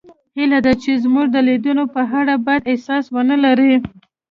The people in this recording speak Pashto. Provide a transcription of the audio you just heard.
هیله ده چې زموږ د لیدنې په اړه بد احساس ونلرئ